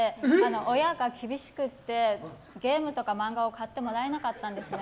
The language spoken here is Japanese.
親が厳しくて、ゲームとか漫画を買ってもらえなかったんですね。